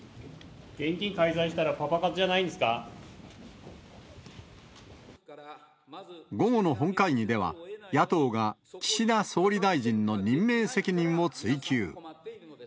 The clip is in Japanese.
現金介在したらパパ活じゃな午後の本会議では、野党が岸田総理大臣の任命責任を追及。